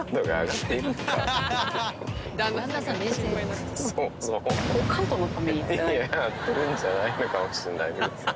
「やってるんじゃないのかもしんないけどさ」